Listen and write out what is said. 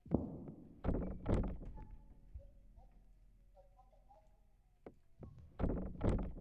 ndik nying' ng'at mondike, tarik, kod namba mar ite, gi mamoko